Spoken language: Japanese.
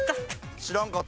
知らんかった。